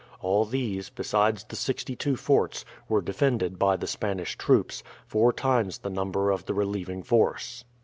All these, besides the 62 forts, were defended by the Spanish troops, four times the number of the relieving force.